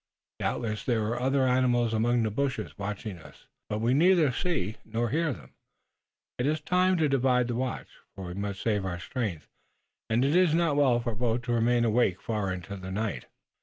Doubtless there are other animals among the bushes, watching us, but we neither see nor hear them. It is time to divide the watch, for we must save our strength, and it is not well for both to remain awake far into the night."